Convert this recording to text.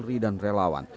tidak ada yang terlelawan